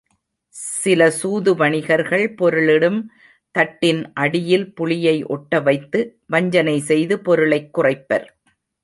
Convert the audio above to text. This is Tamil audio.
சில சூது வணிகர்கள் பொருளிடும் தட்டின் அடியில் புளியை ஒட்டவைத்து வஞ்சனை செய்து பொருளைக் குறைப்பர்.